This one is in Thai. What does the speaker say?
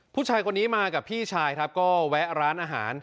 ผู้ชายคนนี้มากับพี่ชายครับก็แวะร้านอาหาร